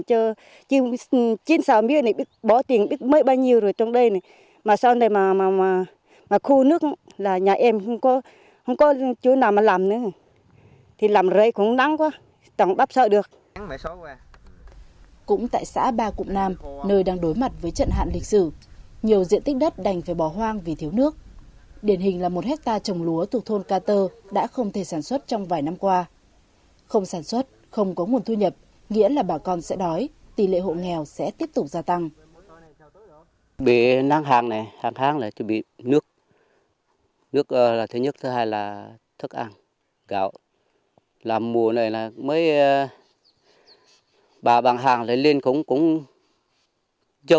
cũng tại xã ba cụng nam nơi đang đối mặt với trận hạn lịch sử nhiều diện tích đất đành phải bỏ hoang vì thiếu nước điển hình là một hecta trồng lúa thuộc thôn ca tơ đã không thể sản xuất trong vài năm qua không sản xuất không có nguồn thu nhập nghĩa là bà con sẽ đói tỷ lệ hộ nghèo sẽ tiếp tục gia tăng